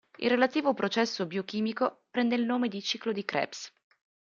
Il relativo processo biochimico prende il nome di ciclo di Krebs.